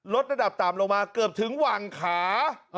ระดับต่ำลงมาเกือบถึงหวังขา